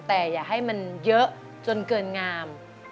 แต่อย่าให้มันเยอะจนเกินงาม